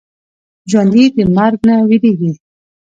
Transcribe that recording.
ژوندي د مرګ نه وېرېږي